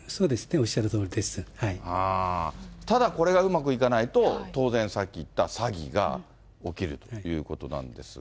おっしゃるとおただ、これがうまくいかないと、当然さっき言った詐欺が起きるということですが。